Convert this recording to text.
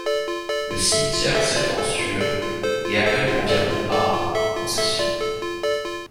Le cimetière s'étend sur et accueille environ à concessions.